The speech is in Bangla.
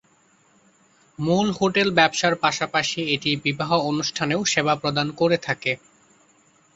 মূল হোটেল ব্যবসার পাশাপাশি এটি বিবাহ অনুষ্ঠানেও সেবা প্রদান করে থাকে।